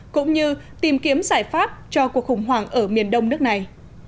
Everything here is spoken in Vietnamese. cũng như tìm kiếm giải pháp cho cuộc khủng hoảng ở miền tây